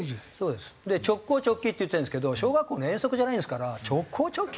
で直行直帰って言ってるんですけど小学校の遠足じゃないんですから直行直帰って。